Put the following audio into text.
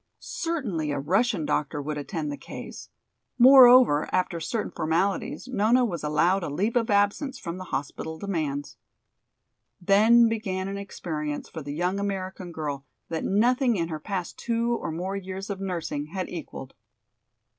Certainly a Russian doctor would attend the case; moreover, after certain formalities Nona was allowed a leave of absence from the hospital demands. Then began an experience for the young American girl that nothing in her past two or more years of nursing had equaled.